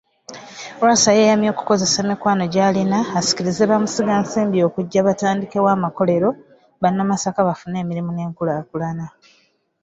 Lwasa yeeyamye okukozesa emikwano gy’alina asikirize Bamusigansimbi okujja batandikewo amakolero Bannamasaka bafune emirimu n’enkulaakulana.